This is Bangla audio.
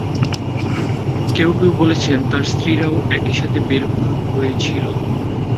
কেউ কেউ বলেছেন, তার স্ত্রীও একই সাথে বের হয়েছিল।